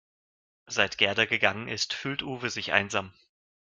Seit Gerda gegangen ist, fühlt Uwe sich einsam.